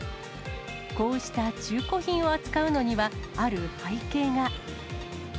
こうした中古品を扱うのには、ある背景が。